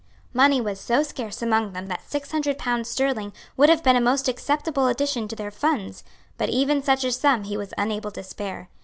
Money was so scarce among them that six hundred pounds sterling would have been a most acceptable addition to their funds, but even such a sum he was unable to spare.